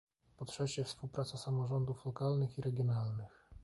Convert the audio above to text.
Po trzecie, współpraca samorządów lokalnych i regionalnych